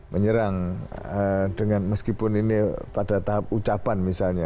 menyerang dengan meskipun ini pada tahap ucapan misalnya